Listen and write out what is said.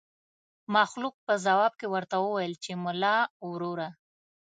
مخلوق په ځواب کې ورته وويل چې ملا وروره.